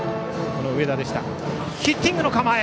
ここはヒッティングの構え。